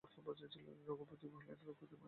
রঘুপতি কহিলেন, তোমার প্রতি মায়ের আদেশ আছে।